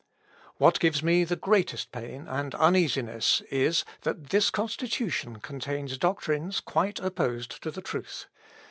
"What gives me the greatest pain and uneasiness is, that this Constitution contains doctrines quite opposed to the truth.